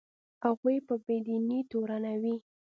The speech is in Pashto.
هغوی په بې دینۍ تورنوي.